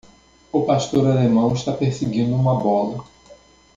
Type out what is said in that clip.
O pastor alemão está perseguindo uma bola.